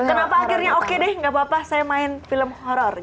kenapa akhirnya oke deh gak apa apa saya main film horror